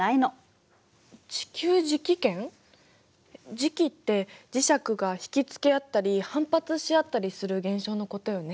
磁気って磁石が引き付け合ったり反発し合ったりする現象のことよね。